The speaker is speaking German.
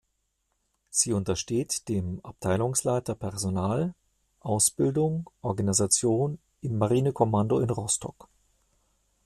Sie untersteht dem Abteilungsleiter Personal, Ausbildung, Organisation im Marinekommando in Rostock.